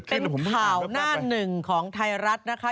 เป็นข่าวหน้าหนึ่งของไทยรัฐนะคะ